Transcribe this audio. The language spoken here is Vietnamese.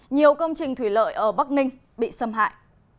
nhiều công trình thủy lợi ở bắc ninh bị xâm hại